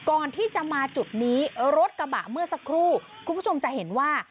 ก่อนที่จะมาจุดนี้รถกระบะเมื่อสักครู่คุณผู้ชมจะเห็นว่า